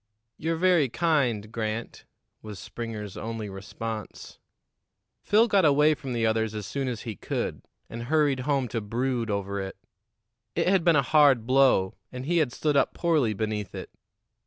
"You're very kind, Grant," was Springer's only response. Phil got away from the others as soon as he could, and hurried home to brood over it. It had been a hard blow, and he had stood up poorly beneath it.